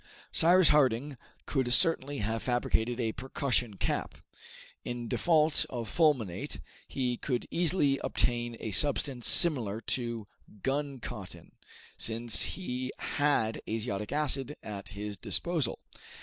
Cyrus Harding could certainly have fabricated a percussion cap. In default of fulminate, he could easily obtain a substance similar to guncotton, since he had azotic acid at his disposal.